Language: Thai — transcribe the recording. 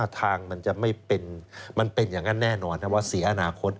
ทางมันจะไม่เป็นมันเป็นอย่างนั้นแน่นอนนะว่าเสียอนาคต